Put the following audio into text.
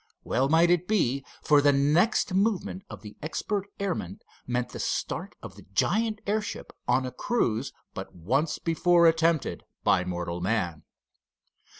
Well might it be, for the next movement of the expert airman meant the start of the giant airship on a cruise but once before attempted by mortal man.